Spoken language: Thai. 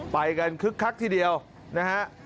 ไปกันคึกคักทีเดียวนะฮะ